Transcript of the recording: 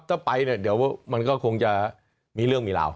ถ้าไปเนี่ยเดี๋ยวมันก็คงจะมีเรื่องมีราว